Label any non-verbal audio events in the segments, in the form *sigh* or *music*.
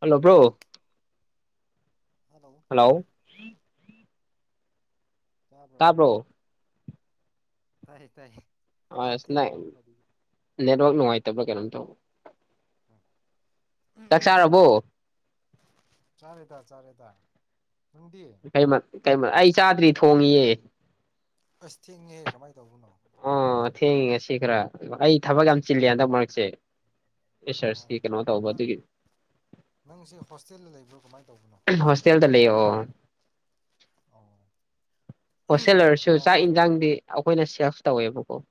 hello bro hello ꯇꯥꯕ꯭ꯔꯣ ꯇꯔꯕ꯭ꯔꯣ ꯇꯥꯏ ꯇꯥꯏꯌꯦ ꯑ ꯑꯁ ꯅ ꯅꯦꯠꯋꯥꯛ ꯅꯨꯡꯉꯥꯏꯇꯕ꯭ꯔꯥ ꯀꯩꯅꯣꯝ ꯇꯧꯕ ꯆꯥꯛ ꯆꯥꯔꯕꯣ ꯆꯥꯔꯦꯗ *inaudible* ꯀꯩ ꯃ ꯀꯩ ꯑꯩ ꯆꯥꯗꯔꯤ ꯊꯣꯡꯏꯦ ꯑꯁ ꯊꯦꯡꯉꯦꯍꯦ ꯀꯃꯥꯏꯅ ꯇꯧꯕꯅꯣ ꯑꯣ ꯊꯦꯡꯉꯤ ꯉꯁꯤ ꯈꯔ ꯑꯩ ꯊꯕꯛ ꯌꯥꯝ ꯆꯤꯜꯂꯤ ꯍꯟꯗꯛ ꯃꯔꯛꯁꯦ ꯁꯔ ꯑꯣ ꯁꯤ ꯀꯩꯅꯣ ꯇꯧꯕ ꯅꯪ ꯑꯗꯨꯒꯤ ꯅꯪꯁꯦ ꯍꯣꯁꯇꯦꯜꯗ ꯂꯩꯕ꯭ꯔꯣ ꯀꯃꯥꯏꯅ ꯇꯧꯕꯅꯣ ꯍꯣꯁꯇꯦꯜꯗ ꯂꯩꯌꯣ ꯑꯣ ꯍꯣꯁꯇꯦꯜ ꯑꯣꯏꯔꯁꯨ ꯆꯥꯛ ꯌꯦꯟꯁꯥꯡꯗꯤ ꯍꯥꯎ ꯑꯩꯈꯣꯏꯅ ꯁꯦꯂꯐ ꯇꯧꯋꯦꯕꯀꯣ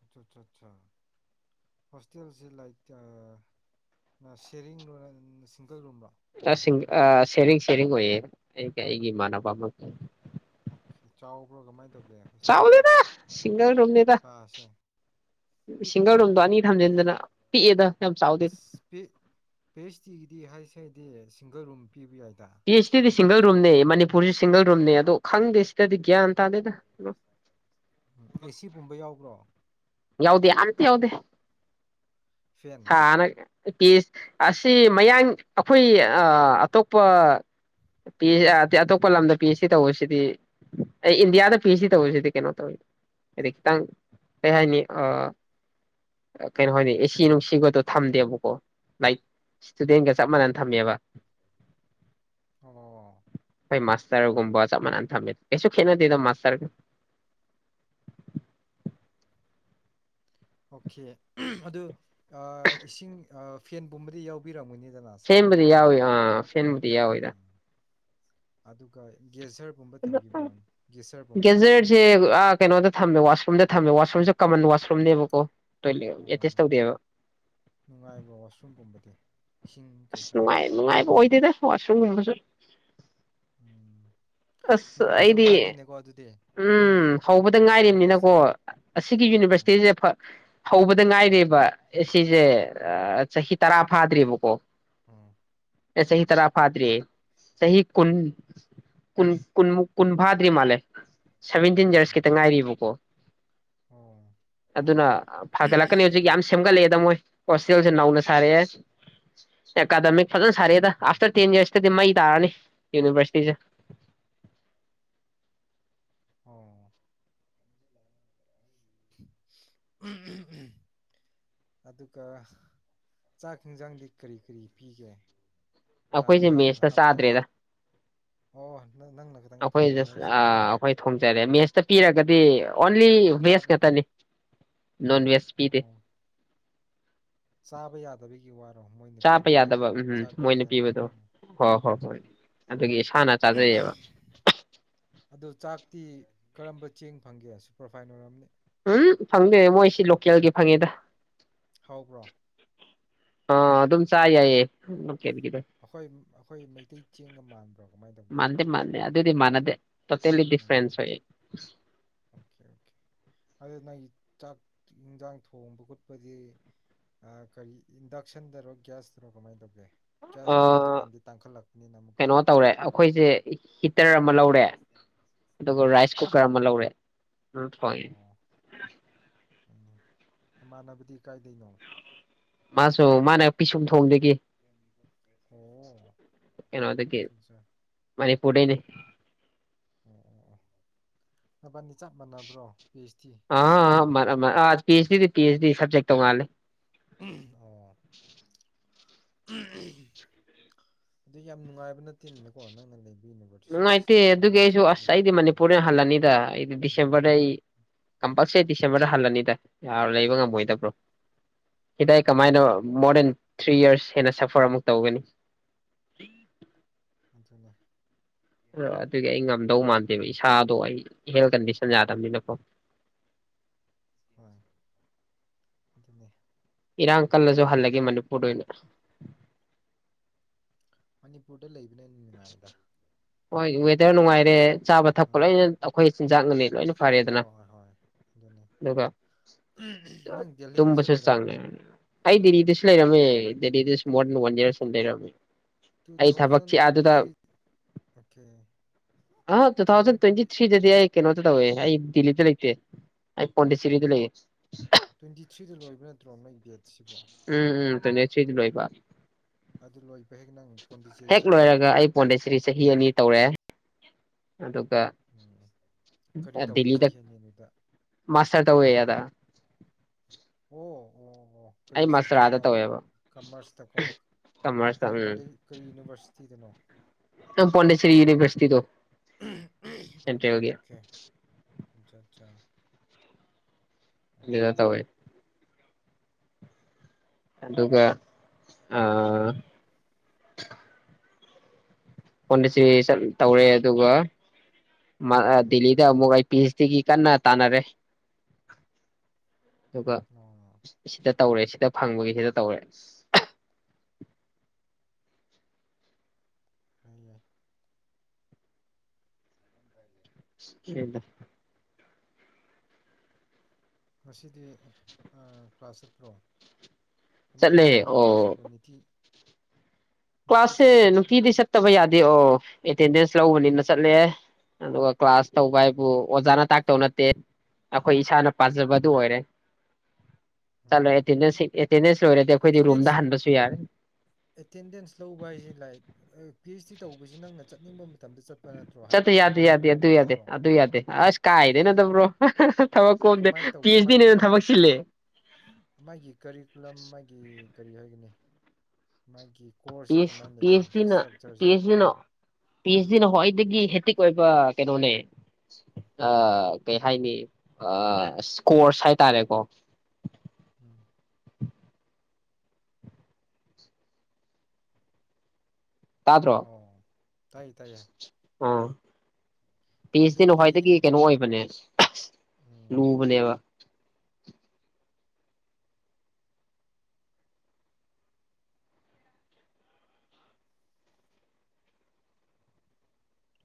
ꯑ ꯑꯠꯆꯥ ꯑꯠꯆꯥ ꯍꯣꯁꯇꯦꯜꯁꯦ ꯂꯥꯏꯛ ꯁꯦꯔꯤꯡꯔꯣ ꯁꯤꯡꯒꯜ ꯔꯨꯝꯔꯣ ꯁꯤꯡ ꯁꯦꯔꯤꯡ ꯁꯦꯔꯤꯡ ꯑꯣꯏꯌꯦ ꯑꯩꯒ ꯑꯩꯒꯤ ꯏꯃꯥꯟꯅꯕ ꯑꯃꯒ ꯑꯣꯀꯦ ꯆꯥꯎꯕ꯭ꯔꯣ ꯀꯃꯥꯏꯅ ꯇꯧꯒꯦ ꯍꯣꯁꯇꯦꯜꯗꯤ ꯆꯥꯎꯗꯦꯗ ꯁꯤꯡꯒꯜ ꯔꯨꯝꯅꯤꯗ ꯀꯥꯁꯦ ꯁꯤꯡꯒꯜ ꯄꯤꯛꯄ꯭ꯔꯣ ꯔꯨꯝꯗꯣ ꯑꯅꯤ ꯊꯝꯖꯤꯟꯗꯅ ꯄꯤꯛꯑꯦꯗ ꯌꯥꯝ ꯆꯥꯎꯗꯦꯗ ꯑꯁ ꯄꯤꯛ ꯄꯤ ꯑꯩꯆ ꯗꯤꯒꯤꯗꯤ ꯍꯥꯏꯁꯦ ꯍꯥꯏꯗꯤ ꯁꯤꯡꯒꯜ ꯔꯨꯡ ꯄꯤ ꯑꯩꯆ ꯗꯤ ꯁꯤꯡꯒꯜ ꯔꯨꯝꯅꯦ ꯃꯅꯤꯄꯨꯔꯁꯤ ꯁꯤꯡꯒꯜ ꯔꯨꯝꯅꯤ ꯑꯗꯣ ꯈꯪꯗꯦ ꯁꯤꯗꯗꯤ ꯒ꯭ꯌꯥꯟ ꯇꯥꯗꯦꯗ ꯑꯦ ꯁꯤ ꯀꯨꯝꯕ ꯌꯥꯎꯕ꯭ꯔꯣ ꯌꯥꯎꯗꯦ ꯑꯝꯇ ꯌꯥꯎꯗꯦ ꯐꯦꯟ ꯁꯥꯅꯥ ꯄꯤ ꯑꯩꯆ ꯑꯁꯤ ꯃꯌꯥꯡ ꯑꯩꯈꯣꯏ ꯑ ꯑꯇꯣꯞꯄ ꯄꯤ ꯑꯇꯣꯞꯄ ꯂꯝꯗ ꯄꯤ ꯑꯩꯆ ꯁꯤꯗꯤ ꯇꯧꯕꯁꯤꯗꯤ ꯑꯩ ꯏꯟꯗꯤꯌꯥꯗ ꯄꯤ ꯑꯩꯆ ꯗꯤ ꯇꯧꯕꯁꯤꯗꯤ ꯀꯩꯅꯣ ꯇꯧꯋꯤ ꯍꯥꯏꯗꯤ ꯈꯤꯇꯪ ꯀꯩ ꯍꯥꯏꯅꯤ ꯑꯥ ꯀꯩꯅꯣ ꯍꯥꯏꯅꯦ ꯎꯝ ꯑꯦꯁꯤ ꯅꯨꯡꯁꯤꯒ ꯊꯝꯗꯦꯕꯀꯣ ꯂꯥꯏꯛ ꯏꯁꯇꯨꯗꯦꯟꯒ ꯆꯞ ꯃꯅꯅ ꯊꯝꯃꯦꯕ ꯑꯣ ꯃꯣꯏ ꯃꯥꯁꯇꯔꯒꯨꯝꯕ ꯆꯞ ꯃꯥꯟꯅꯅ ꯊꯝꯃꯦ ꯀꯩꯁꯨ ꯈꯦꯠꯅꯗꯦꯗꯥ ꯃꯥꯁꯇꯔꯒ ꯑꯣꯀꯦ ꯑꯗꯨ ꯑꯥ ꯏꯁꯤꯡ ꯑ ꯐꯦꯟ ꯒꯨꯝꯕꯗꯤ ꯌꯥꯎꯕꯤꯔꯝꯒꯅꯤ ꯐꯦꯟꯕꯨꯗꯤ ꯌꯥꯎꯏ ꯑꯥ ꯐꯦꯟꯕꯨꯗꯤ ꯌꯥꯎ ꯏꯗ ꯎꯝ ꯑꯗꯨꯒ ꯑꯩ ꯒꯦꯖꯔꯁꯦ ꯑ ꯀꯩꯅꯣꯗ ꯊꯝꯃꯦ ꯋꯥꯁ ꯋꯥꯁꯔꯨꯝꯗ ꯊꯝꯃꯦ ꯋꯥꯁꯔꯨꯝꯁꯦ ꯀꯃꯟ ꯋꯥꯁꯔꯨꯝꯅꯦꯕꯀꯣ ꯇꯣꯏꯂꯦꯠ ꯑ ꯑꯦꯇꯦꯁ ꯇꯧꯗꯦꯕ ꯅꯨꯡꯉꯥꯏꯕ ꯋꯥꯁꯔꯨꯝ ꯒꯨꯝꯕꯗꯤ ꯑꯁ ꯅꯨꯡꯉꯥꯏ ꯅꯨꯡꯉꯥꯏꯕ ꯑꯣꯏꯗꯦꯗ ꯋꯥꯁꯔꯨꯝꯒꯨꯝꯕꯁꯨ ꯎꯝ ꯑꯁ ꯅꯨꯡꯉꯥꯏꯇꯕ ꯑꯩꯗꯤ ꯖꯥꯠꯅꯤꯅꯦꯀꯣ ꯑꯗꯨꯗꯤ ꯎꯝ ꯅꯪꯒꯤ ꯍꯧꯕꯗ ꯉꯥꯏꯔꯤꯕꯅꯤꯅꯀꯣ ꯌꯨꯅꯤꯚꯔꯁꯤꯇꯤꯗꯣ ꯑꯁꯤꯒꯤ ꯎꯝ ꯌꯨꯅꯤꯚꯔꯁꯤꯇꯤꯁꯦ ꯐ ꯍꯧꯕ ꯑꯗꯨ ꯉꯥꯏꯔꯤꯕ ꯑꯦ ꯁꯤꯁꯦ ꯑ ꯎꯝ ꯆꯍꯤ ꯇꯔꯥ ꯐꯥꯗ꯭ꯔꯤꯕꯀꯣ ꯎꯝ ꯆꯍꯤ ꯇꯔꯥ ꯐꯥꯗꯔꯤ ꯆꯍꯤ ꯀꯨꯟ ꯀꯨꯟ ꯀꯨꯟ ꯀꯨꯟ ꯐꯥꯗꯔꯤ ꯃꯥꯂꯦ ꯁꯚꯦꯟꯇꯤꯟ ꯏꯌꯔꯁ ꯈꯤꯇ ꯎꯝ ꯉꯥꯏꯔꯤꯕꯀꯣ ꯑꯣ ꯑꯗꯨꯅ ꯐꯥꯒꯠꯂꯛꯀꯅꯤ ꯍꯧꯖꯤꯛ ꯌꯥꯝ ꯁꯦꯝꯒꯠꯂꯛꯑꯦꯗ ꯃꯣꯏ ꯍꯣꯁꯇꯦꯜꯁꯦ ꯅꯧꯅꯥ ꯁꯔꯛꯑꯦ ꯑꯦꯀꯥꯗꯃꯤꯛ ꯐꯖ ꯁꯥꯔꯛꯑꯦꯗ ꯎꯝ ꯑꯐꯇꯔ ꯇꯦꯟ ꯏꯌꯔꯁ ꯁꯤꯗꯤ ꯃꯩ ꯇꯥꯔꯅꯤ ꯌꯨꯅꯤꯚꯔꯁꯤꯇꯤꯁꯦ ꯑꯣ ꯎꯝ ꯎꯝ ꯎꯝ ꯑꯗꯨꯒ ꯆꯥꯛ ꯌꯦꯟꯖꯥꯡꯗꯤ ꯀꯔꯤ ꯀꯔꯤ ꯄꯤꯒꯦ ꯊꯥ ꯑꯩꯈꯣꯏꯁꯦ ꯃꯦꯁꯇ ꯍꯞꯇꯥ ꯆꯥꯗ꯭ꯔꯦꯗ ꯍꯥꯞ ꯑꯣ ꯅꯪꯅ ꯈꯤꯇꯪ ꯑꯩꯈꯣꯏꯖꯦ ꯊꯣꯡꯉꯦ ꯍꯥꯏꯁꯤꯅꯦꯕ ꯑꯩꯈꯣꯏ ꯊꯣꯡꯖꯔꯦ ꯃꯦꯁꯇ ꯄꯤꯔꯒ ꯄꯤ ꯑꯣꯟꯂꯤ ꯚꯦꯁ ꯆꯥꯕ ꯉꯥꯛꯇꯅꯤ ꯅꯣꯟ ꯅꯣꯟꯚꯦꯖ ꯄꯤꯗꯦ ꯑꯣ ꯆꯥꯕ ꯌꯥꯗꯕꯒꯤ ꯋꯥꯔ ꯆꯥꯕ ꯌꯥꯗꯕ ꯎꯝꯝ ꯃꯣꯏꯅ ꯄꯤꯕꯗꯣ ꯑꯣ ꯍꯣꯏ ꯍꯣꯏ ꯍꯣꯏ ꯑꯗꯨꯒꯤ ꯍꯥꯟꯅ ꯆꯥꯖꯩꯌꯦꯕ ꯑꯗꯣ ꯆꯥꯛꯇꯤ ꯀꯔꯝꯕ ꯆꯦꯡ ꯐꯪꯒꯦ ꯁꯨꯄꯔꯐꯥꯏꯅ ꯑꯣꯏꯔꯝꯅꯤ ꯎꯝ ꯐꯪꯗꯦ ꯃꯣꯏꯁꯤ ꯂꯣꯀꯦꯜꯒꯤ ꯐꯪꯉꯦꯗ ꯍꯥꯎꯕ꯭ꯔꯣ ꯑ ꯑꯗꯨꯝ ꯆ ꯌꯥꯏꯌꯦ ꯂꯣꯀꯦꯜꯒꯤꯗꯣ ꯑꯩꯈꯣꯏ ꯑꯩꯈꯣꯏ ꯃꯩꯇꯩ ꯆꯦꯡꯒ ꯃꯥꯟꯕ꯭ꯔꯣ ꯀꯃꯥꯏꯅ ꯇꯧꯒꯦ ꯇꯣꯇꯦꯂꯤ ꯎꯝ ꯗꯤꯐꯔꯦꯟꯁ ꯑꯣꯏ ꯑꯣꯀꯦ ꯑꯣꯀꯦ ꯑꯗꯨ ꯅꯪꯒꯤ ꯆꯥꯛ ꯌꯦꯟꯖꯥꯡ ꯊꯣꯡꯕ ꯈꯣꯠꯄꯗꯤ ꯀꯔꯤ ꯏꯟꯗꯛꯁꯟꯗꯔꯣ ꯒ꯭ꯌꯥꯁꯇꯔꯣ ꯀꯃꯥꯏꯅ ꯇꯧꯒꯦ ꯑ ꯒ꯭ꯌꯥꯁꯇꯤ ꯍꯧꯖꯤꯛꯀꯥꯟꯗꯤ ꯇꯥꯡꯈꯠꯂꯛꯄꯅꯤꯅ ꯑꯃꯨꯛꯀ ꯀꯩꯅꯣ ꯇꯧꯔꯦ ꯑꯩꯈꯣꯏꯁꯦ ꯇꯔ ꯑꯃ ꯂꯧꯔ ꯔꯦ ꯑꯗꯨꯒ ꯎꯝ ꯔꯥꯏꯁ ꯀꯨꯀꯔ ꯑꯃ ꯂꯧꯔꯦ ꯗꯨ ꯊꯣꯡꯉꯦ ꯑꯣ ꯎꯝ ꯏꯃꯥꯟꯅꯕꯗꯤ ꯀꯥꯏꯗꯩꯅꯣ ꯃꯥꯁꯨ ꯃꯥꯅ ꯄꯤꯁꯨꯝ ꯊꯣꯡꯗꯒꯤ ꯑꯣ ꯀꯩꯅꯣꯗꯒꯤ ꯑꯆꯥ ꯑꯆꯥ ꯃꯅꯤꯄꯨꯔꯗꯩꯅꯤ ꯅꯕꯥꯅꯤ ꯆꯞ ꯃꯥꯟꯅꯕ꯭ꯔꯣ ꯄꯤ ꯑꯩꯆ ꯗꯤ ꯆꯞ ꯑ ꯄꯤ ꯑꯦꯁ ꯗꯤꯗꯤ ꯄꯤ ꯑꯩꯆ ꯗꯤ ꯁꯕꯖꯦꯛꯇ ꯇꯣꯉꯥꯜꯂꯦ ꯑꯣ ꯑꯗꯨ ꯌꯥꯝ ꯅꯨꯡꯉꯥꯏꯕ ꯅꯠꯇꯦꯅꯤꯅꯀꯣ ꯅꯪꯅ ꯂꯩ ꯅꯨꯡꯉꯥꯏꯇꯦ ꯑꯗꯨꯒꯤ ꯑꯩꯁꯨ ꯑꯁ ꯑꯩꯗꯤ ꯎꯝ ꯃꯅꯤꯄꯨꯔꯗꯩ ꯍꯜꯂꯅꯤꯗ ꯑꯩꯗꯤ ꯎꯝ ꯗꯤꯁꯦꯝꯕꯔꯗ ꯑꯩ ꯎꯝ ꯀꯝꯄꯜꯁꯔꯤ ꯗꯤꯁꯦꯝꯕꯔꯗ ꯍꯜꯂꯅꯤꯗ ꯌꯥꯔ ꯂꯩꯕ ꯉꯝꯃꯣꯏꯗꯕ꯭ꯔꯣ ꯁꯤꯗ ꯎꯝ ꯀꯃꯥꯏꯅꯣ ꯃꯣꯔꯗꯟ ꯊ꯭ꯔꯤ ꯌꯔꯁ ꯍꯦꯟꯅ ꯁꯐꯔ ꯑꯃꯨꯛ ꯇꯧꯒꯅꯤ ꯑꯗꯨꯅꯦ ꯑ ꯑꯗꯨꯒꯤ ꯑꯩ ꯉꯝꯗꯧ ꯃꯥꯟ ꯏꯁꯥꯗꯣ ꯑꯩ ꯍꯦꯜ ꯀꯟꯗꯤꯁꯟ ꯌꯥꯗꯕꯅꯤꯅꯀꯣ ꯍꯣꯏ ꯑꯗꯨꯅꯦ ꯏꯔꯥꯡ ꯀꯜꯂꯁꯨ ꯍꯜꯂꯒꯦ ꯃꯅꯤꯄꯨꯔꯗ ꯑꯣꯏꯅ ꯃꯅꯤꯄꯨꯔꯗ ꯂꯩ ꯍꯣꯏ ꯍꯣꯢ ꯌꯥꯝ ꯡꯉꯥꯏꯔꯦ ꯆꯥꯕ ꯊꯛꯄ ꯎꯝ ꯂꯣꯏꯅ ꯑꯩꯈꯣꯏ ꯆꯤꯟꯖꯥꯛꯅꯨꯡꯅꯤ ꯂꯣꯏꯅ ꯍꯣꯏ ꯐꯔꯦꯗꯅ ꯍꯣꯏ ꯍꯣꯏ ꯑꯗꯨꯅꯤ ꯑꯗꯨꯒ ꯅꯪ ꯗꯦꯜꯂꯤꯗꯁꯨ ꯇꯨꯝꯕꯁꯨ ꯂꯩꯔꯝꯕ꯭ꯔꯣ ꯆꯥꯡꯅꯥꯏ ꯑꯩ ꯗꯦꯜꯍꯤꯗꯁꯨ ꯂꯩꯔꯝꯃꯦ ꯗꯦꯟꯂꯤꯗ ꯁ꯭ꯃꯣꯠ ꯋꯥꯟ ꯌꯥꯔꯁ ꯃꯨꯛ ꯂꯩꯔꯝꯃꯤ ꯇꯨ ꯊꯥꯎꯖꯟ ꯇ꯭ꯋꯦꯟꯇꯤ ꯑꯗꯨꯗ ꯊ꯭ꯔꯤ ꯑꯣꯀꯦ ꯑ ꯇꯨ ꯊꯥꯎꯖꯟ ꯇ꯭ꯋꯦꯟꯇꯤ ꯊ꯭ꯔꯤꯗꯗꯤ ꯑꯩ ꯀꯩꯅꯣꯗꯣ ꯇꯧꯋꯦ ꯑꯩ ꯗꯦꯜꯍꯤꯗ ꯂꯩꯇꯦ ꯑꯩ ꯄꯣꯟꯗꯤꯆꯦꯔꯤꯗ ꯂꯩꯌꯦ ꯇ꯭ꯋꯦꯟꯇꯤ ꯊ꯭ꯔꯤꯗ ꯂꯣꯏꯕ ꯅꯠꯇ꯭ꯔꯣ ꯅꯣꯏ ꯗꯦꯗ *inaudible* ꯇꯋ꯭ꯦꯟꯇꯤ ꯊ꯭ꯔꯤꯗ ꯂꯣꯏꯕ ꯑꯗꯨ ꯂꯣꯏ ꯍꯦꯛ ꯂꯣꯏꯔꯒ ꯑꯩ ꯄꯣꯟꯗꯤꯆꯦꯔꯤ ꯆꯍꯤ ꯑꯅꯤ ꯇꯧꯔꯦ ꯑꯗꯨꯒ ꯎꯝ ꯀꯔꯤ ꯇꯧꯕ ꯗꯦꯜꯍꯤꯗ ꯆꯍꯤꯅꯤ ꯑꯗꯨꯗ ꯃꯥꯁꯇꯔ ꯇꯧꯋꯦ ꯑꯥꯗ ꯑꯣ ꯑꯣ ꯑꯣ ꯑꯩ ꯀꯔꯤ ꯃꯥꯁꯇꯔ ꯑꯥꯗ ꯁꯕꯖꯦꯛꯔꯥ ꯇꯧꯋꯦꯕ ꯀꯃꯔꯁꯇꯀꯣ ꯀꯃꯔꯁꯇ ꯀꯔꯤ ꯀꯣꯂꯦ ꯎꯝ ꯀꯔꯤ ꯌꯨꯅꯤꯚꯔꯁꯤꯇꯤꯗꯅꯣ ꯅꯪ ꯄꯣꯟꯗꯤꯆꯦꯔꯤ ꯌꯨꯅꯤꯚꯔꯁꯤꯇꯤꯗꯣ ꯑꯝꯍ ꯑꯝꯍ ꯑꯣꯀꯦ ꯁꯦꯟꯇ꯭ꯔꯦꯜꯒꯤ ꯑꯣꯀꯦ ꯑꯆꯥ ꯑꯆꯥ ꯀ꯭ꯂꯤꯌꯥꯔ ꯇꯧꯋꯦ ꯑꯗꯨꯒ ꯑꯥ ꯎꯝ ꯄꯣꯟꯗꯤꯆꯦꯔꯤ ꯇꯧꯔꯦ ꯑꯗꯨꯒ ꯗꯦꯜꯍꯤꯗ ꯑꯃꯨꯛ ꯑꯩ ꯄꯤ ꯑꯩꯆ ꯗꯤꯒꯤ ꯀꯟꯅ ꯇꯥꯅꯔꯦ ꯑꯗꯨꯒ ꯎꯝ ꯑꯣ ꯁꯤꯗ ꯇꯧꯔꯦ ꯁꯤꯗ ꯐꯪꯕꯒꯤ ꯁꯤꯗ ꯇꯧꯔꯦ ꯌꯥꯏ ꯌꯥꯏ ꯁ꯭ꯀꯦꯟꯗ ꯉꯁꯤꯗꯤ ꯑ ꯀ꯭ꯂꯥꯁ ꯆꯠꯇ꯭ꯔꯣ ꯀꯃꯥꯏꯅ ꯇꯧꯒꯦ ꯆꯠꯂꯦ ꯅꯣꯏ ꯑꯣ ꯀ꯭ꯂꯥꯁꯁꯤꯕꯨ ꯅꯨꯡꯇꯤ ꯀ꯭ꯂꯥꯁꯁꯦ ꯅꯨꯡꯇꯤꯗꯤ ꯆꯠꯇꯕ ꯌꯥꯗꯦ ꯑꯣ ꯑꯦꯇꯦꯟꯗꯦꯟꯁ ꯂꯧꯕꯅꯤꯅ ꯆꯠꯂꯦ ꯑꯗꯨꯒ ꯀ꯭ꯂꯥꯁ ꯇꯧꯕꯕꯨ ꯎꯝ ꯑꯣꯖꯥꯅ ꯇꯥꯛ ꯇꯧ ꯅꯠꯇꯦ ꯑꯩꯈꯣꯏ ꯏꯁꯥꯅ ꯄꯥꯖꯕꯗꯨ ꯑꯣꯏꯔꯦ ꯆꯂꯣꯍꯦ ꯎꯝ ꯑꯦꯇꯦꯟꯗꯦꯟꯁ ꯁꯤ ꯂꯣꯏꯔꯗꯤ ꯑꯩꯈꯣꯏꯗꯤ ꯔꯨꯝꯗ ꯑꯦꯇꯦꯟꯗꯦꯟꯁ ꯍꯟꯕꯁꯨ ꯌꯥꯔꯦ ꯑꯦꯇꯦꯟꯗꯦꯟꯁ ꯂꯧꯕ ꯍꯥꯏꯁꯤ ꯂꯥꯏꯛ ꯄꯤ ꯑꯩꯆ ꯗꯤ ꯇꯧꯕꯁꯤ ꯅꯪꯅ ꯆꯠꯅꯤꯡꯕ ꯃꯇꯝꯗ ꯆꯠꯄ ꯅꯠꯇ꯭ꯔꯣ ꯆꯠꯇ ꯍꯥꯏꯕꯗꯤ ꯌꯥꯗꯦ ꯊꯕꯛꯁꯤ ꯌꯥꯗꯦ ꯑꯗꯨ ꯀꯣꯝꯕ ꯌꯥꯗꯦ ꯅꯠꯇ꯭ꯔꯣ ꯑꯗꯨ ꯌꯥꯗꯦ ꯑꯁ ꯍꯥꯏꯗꯤ ꯀꯥꯏꯗꯩꯅꯣꯗ ꯕ꯭ꯔꯣ ꯊꯕꯛ ꯀꯣꯝꯗꯦ ꯀꯃꯥꯏꯅ ꯄꯤ ꯇꯧꯒꯦ ꯑꯩꯆ ꯃꯥꯒꯤ ꯗꯤꯅꯦꯅ ꯊꯕꯛ ꯆꯤꯂꯦ ꯒꯤ ꯀꯔꯤ ꯍꯥꯏꯒꯅꯤ ꯃꯥꯒꯤ ꯄꯤ ꯀꯣꯔꯁꯁꯦ ꯍꯩꯁ ꯀꯃꯥꯏꯅ ꯂꯩꯒꯦ ꯄꯤ ꯏꯁꯇ꯭ꯔꯛꯆꯔꯁꯦ ꯑꯩꯆ ꯗꯤꯅ ꯎꯤ ꯑꯩꯆꯗꯤꯅ ꯈꯋꯥꯏꯗꯒꯤ ꯍꯦꯇꯤꯛ ꯑꯣꯏꯕ ꯀꯩꯅꯣꯅꯦ ꯀꯩ ꯍꯥꯏꯅꯤ ꯎꯝ ꯏꯁꯀꯣꯔꯁ ꯍꯥꯏꯇꯥꯔꯦꯀꯣ ꯎꯝ ꯇꯥꯗꯔꯣ ꯑꯣ ꯇꯥꯏꯌꯦ ꯇꯥꯏꯌꯦ ꯑꯥ ꯄꯤ ꯍꯩꯁ ꯗꯤ ꯅ ꯑꯗꯨꯗꯤ ꯈꯋꯥꯏꯗꯒꯤ ꯀꯩꯅꯣ ꯑꯣꯏꯕꯅꯦ ꯎꯝ ꯂꯨꯕꯅꯦꯕ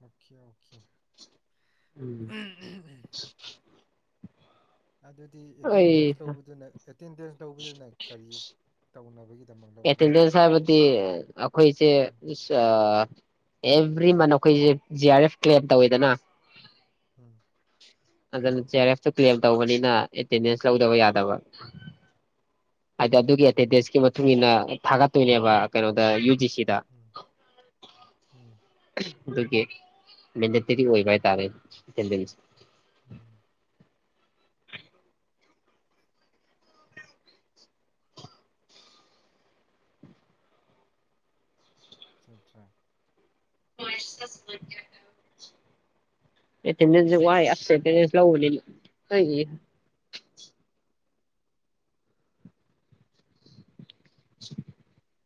ꯑꯣꯀꯦ ꯑꯣꯀꯦ ꯎꯝ ꯑꯗꯨꯗꯤ ꯑꯩ ꯑꯦꯇꯦꯟꯗꯦꯟꯁ ꯂꯧꯕꯗꯨꯅ ꯑꯦꯇꯦꯟꯗꯦꯟꯁ ꯂꯧꯕꯗꯨꯅ ꯀꯔꯤ ꯇꯧꯅꯕꯒꯤ ꯑꯦꯠꯇꯦꯟꯗꯁ ꯍꯥꯏꯕꯗꯤ ꯑꯣ ꯑꯩꯈꯣꯏꯁꯦ ꯎꯝ ꯑꯥ ꯑꯦꯚ꯭ꯔꯤ ꯃꯟ ꯑꯩꯈꯣꯏꯁꯦ ꯖꯤ ꯑꯥꯔ ꯑꯦꯐ ꯀ꯭ꯂꯦꯝ ꯇꯧꯋꯤꯗꯅ ꯎꯝ ꯑꯗꯨꯅ G R F to claim ꯇꯧꯕꯅꯤꯅ ꯑꯦꯇꯦꯟꯗꯦꯟꯁ ꯂꯧꯗꯕ ꯌꯥꯗꯕ ꯍꯥꯏ ꯑꯗꯨꯒꯤ ꯑꯣꯀꯦ ꯑꯦꯇꯦꯟꯗꯦꯟꯁꯀꯤ ꯃꯇꯨꯡ ꯏꯟꯅ ꯊꯥꯒꯠꯇꯣꯏꯅꯦꯕ ꯀꯩꯅꯣꯗ ꯌꯨ ꯖꯤ ꯁꯤ ꯀꯤꯗ ꯎꯝ ꯎꯝ ꯑꯗꯨꯒꯤ ꯃꯦꯟꯗꯠꯇꯔꯤ ꯑꯣꯏꯕ ꯍꯥꯏꯇꯥꯔꯦꯅꯦ ꯎꯝ ꯑꯆꯥ ꯑꯆꯥ *unintelligible* ꯑꯦꯇꯦꯟꯗꯦꯟꯁꯦ ꯋꯥꯏ ꯑꯁ ꯑꯦꯇꯦꯩꯗꯦꯟꯁ ꯂꯧꯕꯅꯤ *unintelligible* *unintelligible*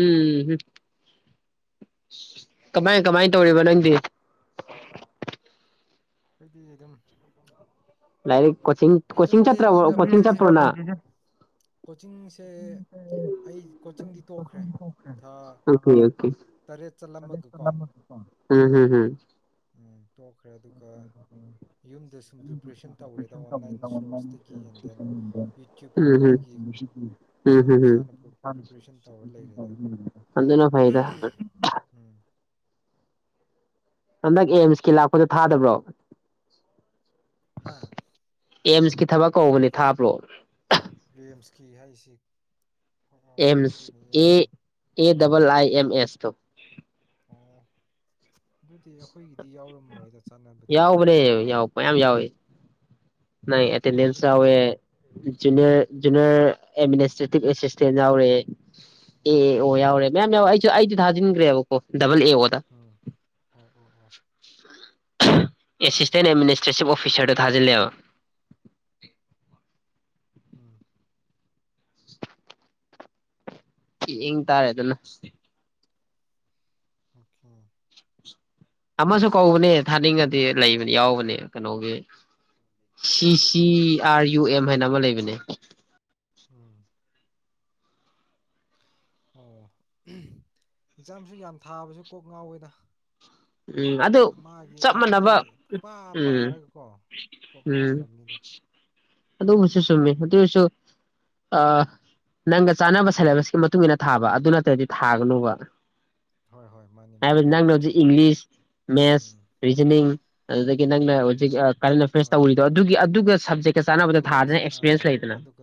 ꯎꯝꯝ ꯀꯃꯥꯏ ꯀꯃꯥꯏꯅ ꯇꯧꯔꯤꯕ ꯅꯪꯗꯤ ꯍꯥꯏꯗꯤ ꯑꯗꯨꯝ ꯂꯥꯏꯔꯤ ꯀꯣꯆꯤꯡ ꯑꯗꯨꯝ ꯀꯣꯆꯤꯡ ꯂꯦꯜꯂꯤꯗ ꯄꯨꯟꯁꯤꯁꯦ ꯆꯠꯄ꯭ꯔꯣ ꯅꯪ ꯀꯣꯆꯤꯡꯁꯦ ꯑꯩ ꯀꯣꯆꯤꯡꯗꯤ ꯇꯣꯛꯈ꯭ꯔꯦ *unintelligible* ꯊꯥ ꯑꯣꯀꯦ ꯑꯣꯀꯦ ꯇꯔꯦꯠ ꯆꯠꯂꯝꯃꯒꯀꯣ ꯎꯝ ꯍꯝꯍꯝ ꯎꯝ ꯇꯣꯛꯈ꯭ꯔꯦ ꯑꯗꯨꯒ ꯌꯨꯝꯗ ꯁꯨꯝ ꯄ꯭ꯔꯤꯄꯔꯦꯁꯟ ꯇꯧꯔꯦꯗ ꯑꯣꯟꯂꯥꯏꯟ ꯁꯣꯔꯁꯇꯒꯤ ꯑꯦꯟ ꯗꯦꯟ ꯌꯨꯇ꯭ꯌꯨꯕꯀꯨꯝꯕꯗꯒꯤ ꯑꯗꯨꯝ ꯏꯁꯥꯅ ꯄ꯭ꯔꯤꯄꯔꯦꯁꯟ ꯇꯧꯔ ꯂꯩꯔꯦꯗ *unintelligible* ꯑꯗꯨꯅ ꯐꯩꯗꯥ ꯎꯝ ꯍꯟꯗꯛ ꯑꯦꯝꯁꯀꯤ ꯂꯥꯛꯄꯗꯣ ꯊꯥꯗꯕ꯭ꯔꯣ ꯍꯥꯥ ꯑꯦꯝꯁꯀꯤ ꯊꯕꯛ ꯀꯧꯕꯅꯦ ꯊꯥꯕ꯭ꯔꯣ ꯑꯦꯝꯁꯀꯤ ꯍꯥꯏꯁꯤ ꯑꯦꯝꯁ ꯈꯪꯗꯦꯅꯦ ꯑꯦ ꯑꯦꯝꯁꯀꯤꯅꯤ A double I M S two ꯑꯣ ꯑꯗꯨꯗꯤ ꯑꯩꯈꯣꯏꯒꯤꯗꯤ ꯌꯥꯎꯔꯝꯃꯣꯏꯗ ꯆꯥꯟꯅꯕꯗꯤ ꯌꯥꯎꯕꯅꯦ ꯨꯨꯂꯩ ꯑꯦꯇꯦꯟꯗꯦꯟꯁ ꯊꯥꯖꯤꯟꯗꯦꯗ ꯌꯥꯎꯋꯦ ꯎꯝ ꯖꯦꯅ꯭ꯔꯔ ꯖꯦꯅ꯭ꯔꯔ ꯑꯦꯝꯃꯤꯅꯤꯁꯇ꯭ꯔꯦꯇꯤꯚ ꯑꯦꯁꯤꯁꯇꯦꯟ ꯌꯥꯎꯔꯦ ꯑꯦ ꯑꯦ ꯑꯣ ꯌꯥꯎꯔꯦ ꯃꯌꯥꯝ ꯌꯥꯎꯋꯥ ꯑꯩ ꯑꯩꯗꯨ ꯊꯥꯖꯤꯟꯒ꯭ꯔꯦꯕꯀꯣ ꯗꯕꯜ ꯑꯦ ꯑꯣꯗ ꯎꯝ ꯑꯣ ꯑꯣ ꯑꯣ ꯑꯦꯁꯤꯁꯇꯦꯟ ꯑꯦꯗꯃꯤꯅꯤꯁꯇ꯭ꯔꯦꯁꯤꯚ ꯑꯣꯐꯤꯁꯔꯗ ꯊꯥꯖꯤꯜꯂꯦꯕ ꯎꯝ ꯌꯦꯡ ꯇꯥꯔꯦ ꯑꯗꯨꯅ ꯑꯣꯀꯦ ꯑꯃꯁꯨ ꯀꯧꯕꯅꯦ ꯊꯥꯅꯤꯡꯉꯗꯤ ꯂꯩꯕꯅꯦ ꯌꯥꯎꯕꯅꯦ ꯀꯩꯅꯣꯒꯤ ꯁꯤ ꯁꯤ ꯑꯥꯔ ꯌꯨ ꯑꯦꯝ ꯍꯥꯏꯅ ꯑꯃ ꯂꯩꯕꯅꯦ ꯎꯝ ꯑꯣ ꯑꯦꯛꯖꯥꯝꯁꯨ ꯌꯥꯝ ꯊꯥꯕꯁꯨ ꯀꯣꯛ ꯉꯥꯎꯋꯦꯗ ꯎꯝ ꯑꯗꯨ ꯃꯥꯒꯤ ꯆꯞ ꯍꯥꯏꯕꯗꯤ ꯃꯥꯟꯅꯕ ꯄꯥ ꯎꯝ ꯄꯥꯔꯒꯀꯣ ꯀꯣꯛ ꯎꯝ ꯉꯥꯎꯅꯕꯅꯤꯗ ꯑꯗꯨꯨꯕꯨꯁꯨ ꯆꯨꯝꯃꯤ ꯑꯗꯨꯑꯣꯏꯁꯨ ꯑ ꯅꯪꯒ ꯆꯥꯟꯅꯕ ꯁꯦꯂꯦꯕꯁꯀꯤ ꯃꯇꯨꯡ ꯏꯟꯅ ꯊꯥꯕ ꯑꯗꯨ ꯅꯠꯇ꯭ꯔꯗꯤ ꯊꯥꯒꯅꯨꯕ ꯍꯣꯏ ꯍꯣꯏ ꯃꯥꯅꯤ ꯃꯥꯅꯤ ꯍꯥꯏꯕꯗꯤ ꯅꯪꯅ ꯑꯗꯨꯗꯤ ꯍꯧꯖꯤꯛ ꯆꯨꯝꯃꯦ ꯏꯪꯂꯤꯁ ꯃꯦꯠꯁ ꯎꯝ ꯔꯤꯖꯅꯤꯡ ꯑꯗꯨꯗꯒꯤ ꯅꯪꯅ ꯌꯥꯏ ꯌꯥꯏ ꯍꯧꯖꯤꯛ ꯌꯥꯏ ꯑ ꯀꯔꯦꯟꯐꯔꯦꯁ ꯍꯣꯏ ꯍꯣꯏ ꯇꯧꯔꯤꯗꯣ ꯑꯗꯨꯒꯤ ꯑꯗꯨꯒ ꯁꯕꯖꯦꯛ ꯑꯗꯨꯒ ꯆꯥ ꯑ ꯑꯗꯨꯒ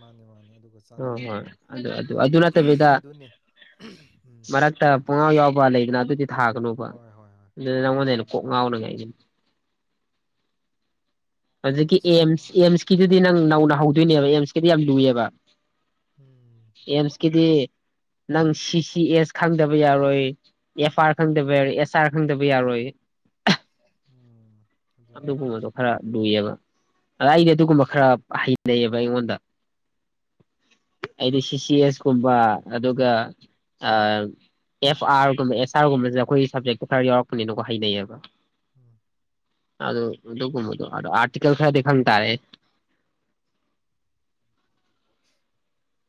ꯃꯥꯅꯦ ꯃꯥꯅꯦ ꯑꯗꯨꯒ ꯑꯣ ꯍꯣꯏ ꯆꯥꯟꯅꯕꯒꯀꯣ ꯑꯗꯨ ꯑꯗꯨ ꯑꯗꯨ ꯎꯝ ꯅꯠꯇꯕꯤꯗ ꯑꯗꯨꯅꯦ ꯎꯝ ꯃꯔꯛꯇ ꯄꯨꯡꯉꯥꯎ ꯌꯥꯎꯕ ꯂꯩꯗꯅ ꯑꯗꯨꯗꯤ ꯊꯥꯒꯅꯨꯕ ꯍꯣꯏ ꯍꯣꯏ ꯍꯣꯏ ꯑꯗꯨꯅ ꯃꯥꯅꯤ ꯅꯪꯉꯣꯟꯗ ꯍꯦꯟꯅ ꯀꯣꯛ ꯉꯥꯎꯅꯉꯥꯏꯒꯤꯅꯤ *inaudible* ꯑꯗꯨꯗꯤ ꯅꯪ ꯅꯧꯅ ꯍꯧꯗꯣꯏꯅꯦꯕ ꯑꯦꯝꯁꯀꯤꯗꯤ ꯌꯥꯝ ꯂꯨ ꯇꯨꯏꯑꯦꯕ ꯎꯝ ꯑꯦꯝꯁ ꯀꯗꯤ ꯅꯪ ꯁꯤ ꯁꯤ ꯑꯦꯁ ꯈꯪꯗꯕ ꯌꯥꯔꯣꯏ ꯑꯦꯐ ꯑꯥꯔ ꯈꯪꯗꯕ ꯌꯥꯔꯣꯏ ꯑꯦꯁ ꯑꯥꯔ ꯈꯪꯗꯕ ꯌꯥꯔꯣꯏ ꯍ ꯎꯝ ꯑꯗꯨꯅꯤ *unintelligible* ꯂꯨꯏꯌꯦꯕ ꯑꯗ ꯑꯩꯗꯤ ꯑꯗꯨꯒꯨꯝꯕ ꯈꯔ ꯍꯩꯅꯩꯌꯦꯕ ꯑꯩꯉꯣꯟꯗ ꯑꯩꯗꯤ ꯁꯤ ꯁꯤ ꯑꯦꯁ ꯀꯨꯝꯕ ꯑꯗꯨꯒ ꯑ ꯑꯦꯐ ꯑꯥꯔꯒꯨꯝꯕ ꯑꯦꯁ ꯑꯥꯔꯒꯨꯝꯕꯁꯤꯅ ꯑꯩꯈꯣꯏ ꯁꯕꯖꯦꯛꯇꯣ ꯈꯔ ꯌꯥꯎꯔꯛꯄꯅꯤꯅꯀꯣ ꯍꯩꯅꯩꯌꯦꯕ ꯎꯝ ꯑꯗꯨ ꯑꯗꯨꯒꯨꯝꯕꯗꯣ ꯑꯗꯨ ꯑꯔꯇꯤꯀꯦꯜ ꯈꯔꯗꯤ ꯈꯪ ꯇꯔꯦ *inaudible*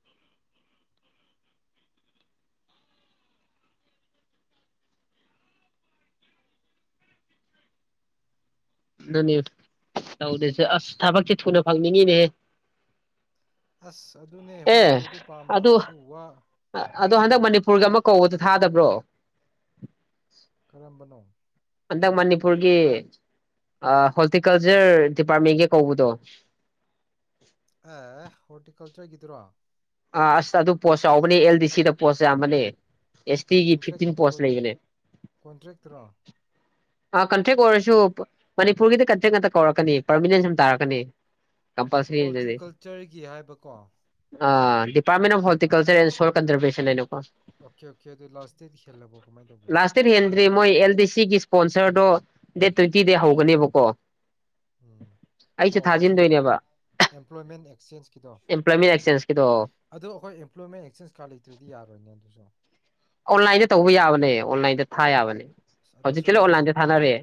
ꯑꯗꯨꯅꯦ ꯇꯧꯗꯦꯁꯦ ꯑꯁ ꯊꯕꯛꯁꯦ ꯊꯨꯅ ꯐꯪꯅꯤꯡꯉꯤꯅꯦꯍꯦ ꯑꯁ ꯑꯗꯨꯅꯦ ꯑꯦ ꯑꯩꯈꯣꯏꯅꯗꯤ ꯑꯗꯨ ꯄꯥꯝꯕ ꯑꯗꯨ ꯋꯥ ꯑꯗꯣ ꯍꯟꯗꯛ ꯎꯝ ꯃꯅꯤꯄꯨꯔꯒꯤ ꯑꯃ ꯀꯧꯕꯗꯣ ꯊꯥꯗꯕ꯭ꯔꯣ ꯀꯔꯝꯕꯅꯣ ꯍꯟꯗꯛ ꯃꯅꯤꯄꯨꯔꯒꯤ ꯍꯣꯔꯇꯤꯀꯜꯆꯔ ꯗꯤꯄꯥꯔꯠꯃꯦꯟꯒꯤ ꯀꯧꯕꯗꯣ ꯑꯦ ꯍꯣꯔꯔꯇꯤꯀꯜꯆꯔꯀꯤꯗꯨꯔꯣ ꯑꯥ ꯑꯁ ꯑꯗꯨ ꯄꯣꯁ ꯆꯥꯎꯕꯅꯦ ꯑꯦꯜ ꯗꯤ ꯁꯤꯗ ꯄꯣꯁ ꯌꯥꯝꯕꯅꯦ ꯑꯦꯁꯇꯤ ꯀꯣꯟꯇ꯭ꯔꯦꯛ ꯐꯤꯐꯇꯤꯟ ꯄꯣꯁ ꯂꯩꯕꯅꯦ ꯀꯣꯟꯇ꯭ꯔꯦꯛꯇꯨꯔꯣ ꯑ ꯀꯟꯇ꯭ꯔꯦꯛ ꯑꯣꯏꯔꯁꯨ ꯃꯅꯤꯄꯨꯔꯒꯤꯗꯤ ꯀꯟꯇ꯭ꯔꯦꯛ ꯉꯥꯛꯇ ꯀꯧꯔꯛꯀꯅꯤ ꯄꯔꯃꯤꯅꯦꯟ ꯁꯨꯝ ꯇꯥꯔꯛꯀꯅꯤ ꯀꯝꯄꯜꯁꯔꯤ ꯑꯗꯨꯗꯤ ꯍꯣꯔꯇꯤꯀꯜꯆꯔꯒꯤ ꯍꯥꯏꯕꯀꯣ ꯑꯥ ꯄꯥꯃꯤꯅꯦ ꯑꯗꯣ ꯍꯣꯔꯇꯤꯀꯜꯆꯔ ꯑꯦꯟ ꯁꯣꯔꯀꯟꯖꯔꯚꯦꯁꯟ *unintelligible* ꯑꯣꯀꯦ ꯑꯣꯀꯦ ꯑꯗꯨ ꯂꯥꯁ ꯗꯦꯠ ꯍꯦꯜꯂꯕꯣ ꯀꯃꯥꯏꯅ ꯇꯧꯒꯦ ꯚꯤꯁꯤꯒꯤ ꯏꯁꯄꯣꯟꯁꯔꯗꯣ ꯗꯦꯠ ꯇ꯭ꯋꯦꯟꯇꯤꯗ ꯍꯧꯒꯅꯦꯕꯀꯣ ꯎꯝ ꯑꯩꯁꯨ ꯑꯣ ꯍꯧꯖꯤꯛ ꯊꯥꯖꯤꯟꯗꯣꯏꯅꯦꯕ ꯑꯦꯝꯄ꯭ꯂꯣꯏꯃꯦꯟ ꯑꯦꯛꯆꯦꯟꯁꯀꯤꯗꯣ ꯑꯦꯝꯄ꯭ꯂꯣꯏꯃꯦꯟ ꯑꯦꯛꯆꯦꯟꯁꯀꯤꯗꯣ ꯑꯗꯨ ꯑꯩꯈꯣꯏ ꯑꯦꯝꯄ꯭ꯂꯣꯏꯃꯦꯟ ꯑꯦꯛꯆꯦꯟꯖ ꯀꯥꯔꯇ ꯂꯩꯇ꯭ꯔꯗꯤ ꯌꯥꯔꯣꯏꯅꯦ ꯑꯗꯨꯁꯨ ꯑꯣꯟꯂꯥꯏꯟꯗꯤ ꯇꯧꯕ ꯌꯥꯕꯅꯦ ꯑꯣꯟꯂꯥꯏꯟꯗ ꯊꯥ ꯌꯥꯕꯅꯦ ꯑꯁ ꯍꯧꯖꯤꯛꯀꯤꯅ ꯑꯗꯨꯁꯨ ꯑꯣꯟꯂꯥꯏꯟꯗ ꯗꯣꯀꯨꯃꯦꯟ ꯌꯥꯝ ꯊꯥꯅꯔꯦ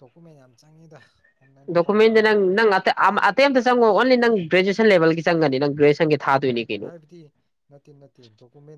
ꯗꯣꯀꯨꯃꯦꯟ ꯌꯥꯝ ꯆꯪꯉꯤꯗ ꯑꯣꯟꯂꯥꯏꯟꯗ ꯗꯣꯀꯨꯃꯦꯟꯁꯦ ꯇꯧꯕꯗꯨꯁꯨ ꯅꯪ ꯅꯪ ꯑꯇꯩ ꯑꯝꯇ ꯆꯪꯉꯣ ꯑꯣꯟꯂꯤ ꯅꯪꯒꯤ ꯭ꯒꯔꯦꯖꯨꯁꯟ ꯂꯦꯜꯒꯤꯅꯤ ꯅꯪꯪ ꯒ꯭ꯔꯦꯖꯨꯁꯟꯒꯤ ꯍꯥꯏꯕꯗꯤ ꯅꯠꯇꯦ ꯅꯠꯇꯦ ꯗꯣꯀꯨꯃꯦꯟ